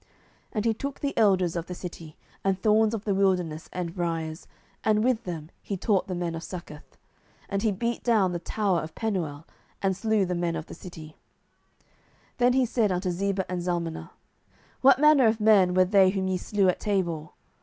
07:008:016 And he took the elders of the city, and thorns of the wilderness and briers, and with them he taught the men of Succoth. 07:008:017 And he beat down the tower of Penuel, and slew the men of the city. 07:008:018 Then said he unto Zebah and Zalmunna, What manner of men were they whom ye slew at Tabor?